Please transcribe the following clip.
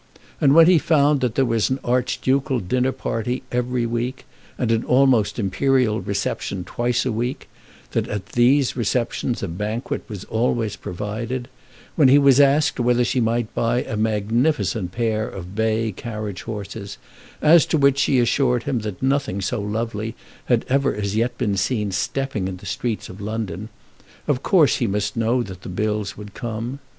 And when he found that there was an archducal dinner party every week, and an almost imperial reception twice a week; that at these receptions a banquet was always provided; when he was asked whether she might buy a magnificent pair of bay carriage horses, as to which she assured him that nothing so lovely had ever as yet been seen stepping in the streets of London, of course he must know that the bills would come.